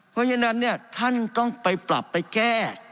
เพราะฉะนั้นท่านต้องไปปรับไปแก้